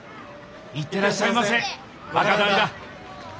行ってらっしゃませ若旦那！